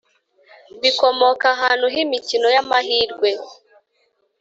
bikomoka ahantu h imikino y amahirwe